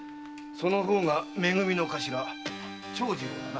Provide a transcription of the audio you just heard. その方がめ組の頭・長次郎だな？